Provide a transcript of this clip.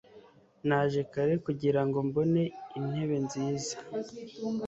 Naje kare kugirango mbone intebe nziza